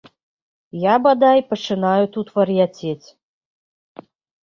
Я, бадай, пачынаю тут вар'яцець.